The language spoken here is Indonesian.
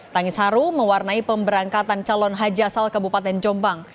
tangis haru mewarnai pemberangkatan calon haji asal kabupaten jombang